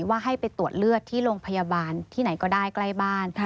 ว่าให้ไปตรวจเลือดที่โรงพยาบาลที่ไหนก็ได้ใกล้บ้าน